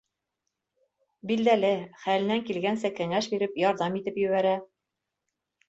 Билдәле, хәленән килгәнсә кәңәш биреп, ярҙам итеп ебәрә.